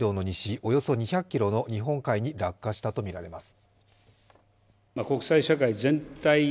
およそ２００ｋｍの日本海に落下したとみられます。